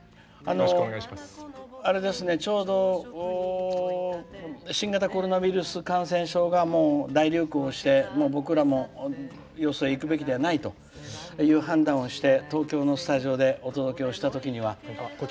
ちょうど新型コロナウイルス感染症がもう大流行して僕らもよそへ行くべきではないと判断をして東京のスタジオでお届けをしたときには。